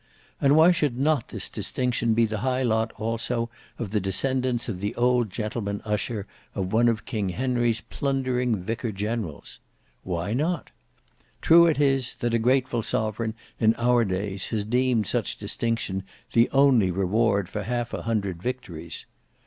And why should not this distinction be the high lot also of the descendants of the old gentleman usher of one of King Henry's plundering vicar generals? Why not? True it is, that a grateful sovereign in our days has deemed such distinction the only reward for half a hundred victories.